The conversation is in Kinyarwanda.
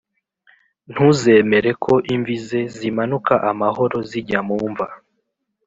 ntuzemere ko imvi ze zimanuka amahoro zijya mu mva.